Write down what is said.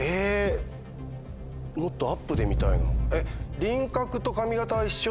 もっとアップで見たいな。